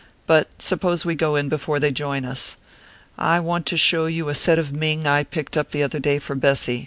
"But suppose we go in before they join us? I want to show you a set of Ming I picked up the other day for Bessy.